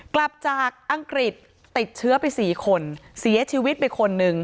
กลับจากอังกฤษติดเชื้อไป๔คนเสียชีวิตไปคนหนึ่ง